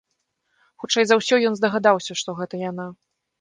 Хутчэй за ўсё ён здагадаўся, што гэта яна.